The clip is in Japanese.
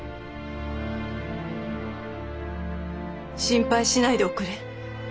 心配しないでおくれ。